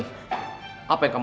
pantes aja kak fanny